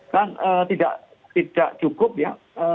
kan tidak cukup ya